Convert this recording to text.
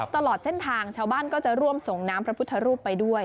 ตลอดเส้นทางชาวบ้านก็จะร่วมส่งน้ำพระพุทธรูปไปด้วย